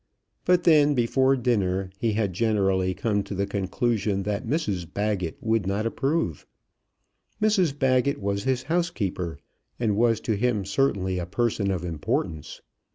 But then, before dinner he had generally come to the conclusion that Mrs Baggett would not approve. Mrs Baggett was his housekeeper, and was to him certainly a person of importance.